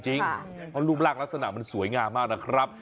เพราะรูปร่างลักษณะมันสวยงามมากนะครับ